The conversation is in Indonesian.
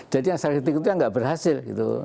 jadi yang saya kritik itu yang tidak berhasil